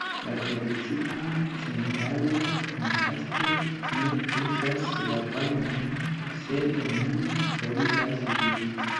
La tradicia centralo kontraste ne uzas la varmon, sed nur forigas ĝin.